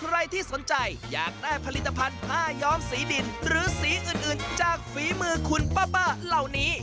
ใครที่สนใจอยากได้ผลิตภัณฑ์ผ้าย้อมสีดินหรือสีอื่นจากฝีมือคุณป้าเหล่านี้